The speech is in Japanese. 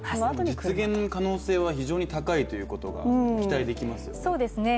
実現の可能性は非常に高いということが期待できますよね。